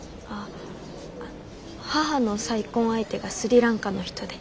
あ母の再婚相手がスリランカの人で。